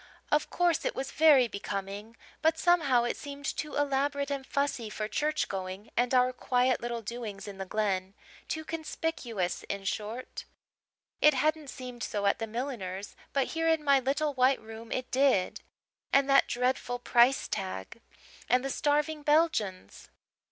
Of course, it was very becoming; but somehow it seemed too elaborate and fussy for church going and our quiet little doings in the Glen too conspicuous, in short. It hadn't seemed so at the milliner's but here in my little white room it did. And that dreadful price tag! And the starving Belgians!